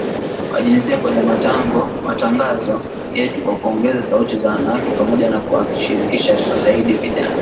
wa jinsia kwenye matangazo yetu kwa kuongeza sauti za wanawake pamoja na kuwashirikisha zaidi vijana